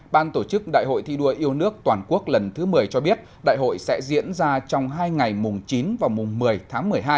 ban tổ chức đại hội thi đua yêu nước toàn quốc lần thứ một mươi cho biết đại hội sẽ diễn ra trong hai ngày mùng chín và mùng một mươi tháng một mươi hai